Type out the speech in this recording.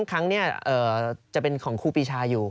ครั้งนี้จะเป็นของครูปีชาอยู่